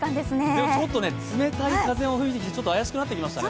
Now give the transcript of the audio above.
でも、ちょっと冷たい風も吹いてきて、ちょっと怪しくなりましたね